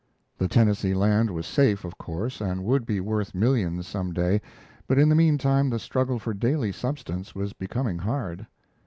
The Tennessee land was safe, of course, and would be worth millions some day, but in the mean time the struggle for daily substance was becoming hard.